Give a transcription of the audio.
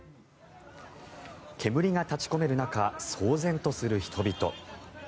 煙が立ち込める中騒然とする人々。